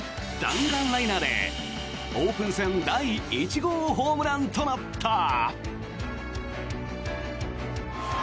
弾丸ライナーでオープン戦第１号ホームランとなった。